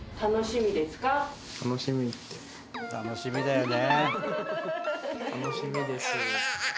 楽しみだよね。